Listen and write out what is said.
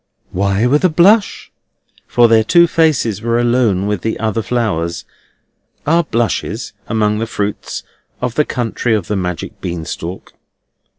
Why with a blush? For their two faces were alone with the other flowers. Are blushes among the fruits of the country of the magic bean stalk?